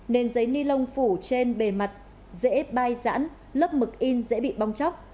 nền giấy nilon phủ trên bề mặt dễ bay rãn lớp mực in dễ bị bong chóc